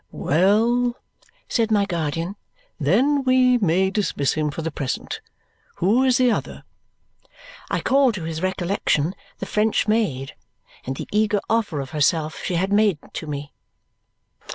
"Well," said my guardian. "Then we may dismiss him for the present. Who is the other?" I called to his recollection the French maid and the eager offer of herself she had made to me.